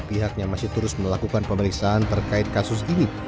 pihaknya masih terus melakukan pemeriksaan terkait kasus ini